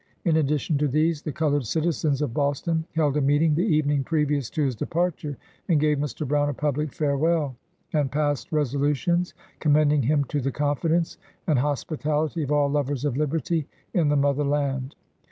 In addition to these, the colored citizens of Boston held a meeting the evening previous to his departure, and gave Mr. Brown a public farewell, and passed resolutions commending him to the confidence and hospitality of all lovers of liberty in the mother land.